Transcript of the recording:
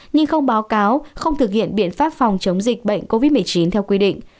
nhưng không báo cáo không thực hiện biện pháp phòng chống dịch bệnh covid một mươi chín theo quy định